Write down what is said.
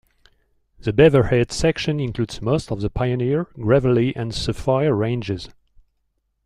The Beaverhead section includes most of the Pioneer, Gravelly, and Sapphire Ranges.